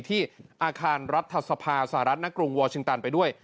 ที่อาคารรัฐสภาสหรัฐนักกรุงวอร์ชิงตันไปด้วย